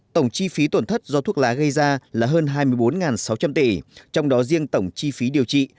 tổng chi phí tổn thất do thuốc lá gây ra là hơn hai mươi bốn sáu trăm linh tỷ trong đó riêng tổng chi phí điều trị